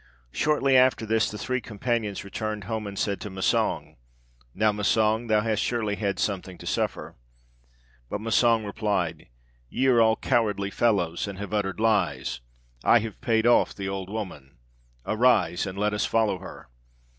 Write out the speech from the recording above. "Shortly after this, the three companions returned home, and said to Massang, 'Now, Massang, thou hast surely had something to suffer?' But Massang replied, 'Ye are all cowardly fellows, and have uttered lies; I have paid off the old woman. Arise, and let us follow her!'